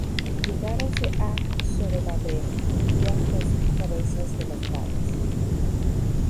Llegáronse á Zorobabel, y á los cabezas de los padres.